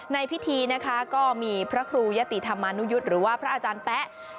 ในพิธีนะคะก็มีพระครูยะติธรรมานุยุทธ์หรือว่าพระอาจารย์แป๊ะ